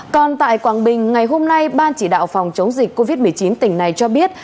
còn tại quảng bình ngày hôm nay ban chỉ đạo phòng chống dịch covid một mươi chín tỉnh này cho biết